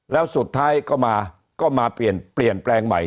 แล้วสุดท้ายก็มาเปลี่ยนแปลงใหม่